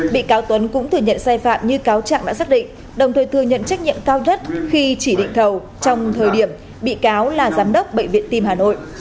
bị cáo tuấn cũng thừa nhận sai phạm như cáo trạng đã xác định đồng thời thừa nhận trách nhiệm cao nhất khi chỉ định thầu trong thời điểm bị cáo là giám đốc bệnh viện tim hà nội